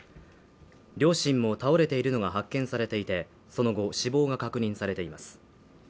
両親も倒れているのが発見されていてその後、死亡が確認されています。